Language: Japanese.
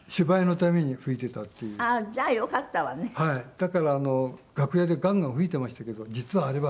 だから楽屋でガンガン吹いていましたけど実はあれは。